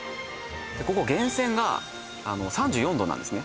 ここ源泉が３４℃なんですね